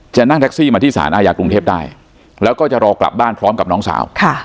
นั่งแท็กซี่มาที่สารอาญากรุงเทพได้แล้วก็จะรอกลับบ้านพร้อมกับน้องสาว